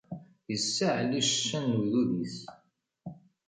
Issaɛli ccan n ugdud-is.